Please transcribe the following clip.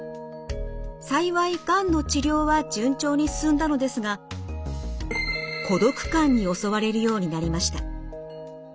幸いがんの治療は順調に進んだのですが孤独感に襲われるようになりました。